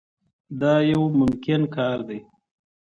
دا یو ممکن کار دی.